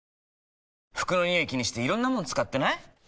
服のニオイ気にしていろんなもの使ってない？